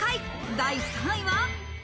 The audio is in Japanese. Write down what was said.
第３位は。